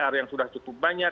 tes pcr yang sudah cukup banyak